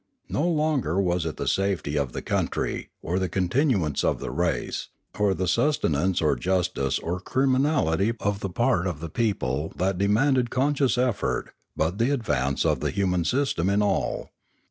No longer was it the safety of the country, or the continuance of the race, or the susten ance or justice or criminality of part of the people that demanded conscious effort, but the advance of the human system in all.